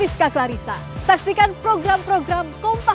sebagai partai partai belum ada